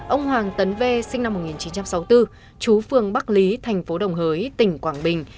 ông hoàng tấn v sinh năm một nghìn chín trăm sáu mươi bốn chú phương bắc lý thành phố đồng hới tỉnh quảng bình